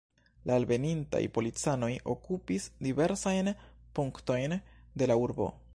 La alvenintaj policanoj okupis diversajn punktojn de la urbo.